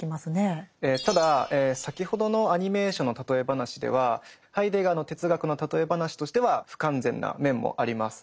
ただ先ほどのアニメーションの例え話ではハイデガーの哲学の例え話としては不完全な面もあります。